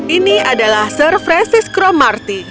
ini adalah sir francis cromarty